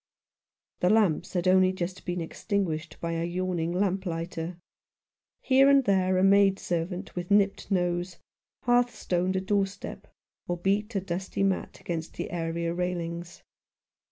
The lamps had only just been extinguished by a yawning lamplighter. Here and there a maid servant with nipped nose hearthstoned a doorstep or beat a dusty mat against the area railings.